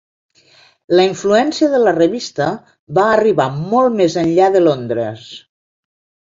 La influència de la revista va arribar molt més enllà de Londres.